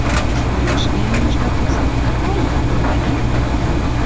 Droši vien viņš var to salikt ar kājām, vai ne?